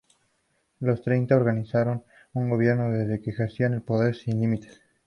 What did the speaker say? Los Treinta organizaron un gobierno desde el que ejercían el poder sin límites.